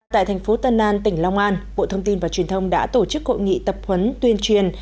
tại thành phố tân an tỉnh long an bộ thông tin và truyền thông đã tổ chức hội nghị tập huấn tuyên truyền